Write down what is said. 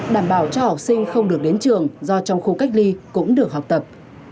đảm bảo cho học sinh không được đến trường do trong khu cách ly cũng được học tập